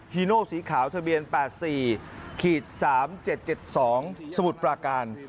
ีโนสีขาวทะเบียน๘๔๓๗๗๒สมุทรปราการ